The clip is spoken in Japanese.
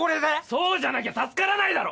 そうじゃなきゃ助からないだろ！